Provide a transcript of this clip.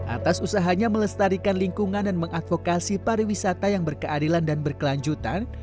atas usahanya melestarikan lingkungan dan mengadvokasi pariwisata yang berkeadilan dan berkelanjutan